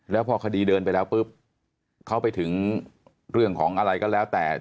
แล้วพอคดีเดินไปแล้วปุ๊บเขาไปถึงเรื่องของอะไรก็แล้วแต่